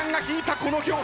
この表情。